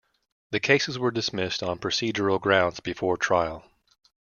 The cases were dismissed on procedural grounds before trial.